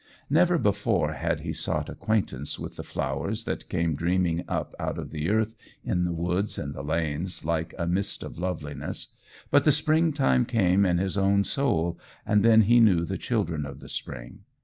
Never before had he sought acquaintance with the flowers that came dreaming up out of the earth in the woods and the lanes like a mist of loveliness, but the spring time came in his own soul, and then he knew the children of the spring.